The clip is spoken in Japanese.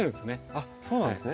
あっそうなんですね。